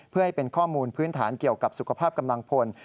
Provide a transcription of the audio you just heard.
เพื่อให้เป็นข้อมูลพื้นฐานเกี่ยวกับสุขภาพกำลังพล